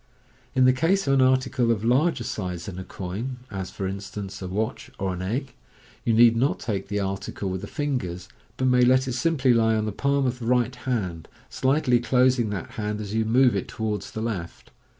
In the case of an article of larger size than a coin — as, for instance, a watch or an egg — you need not take the article with the fingers, but may let it simply lie on the palm of the right hand, slightly closing that hand as you move it towards the left.